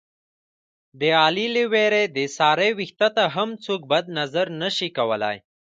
د علي له وېرې د سارې وېښته ته هم څوک بد نظر نشي کولی.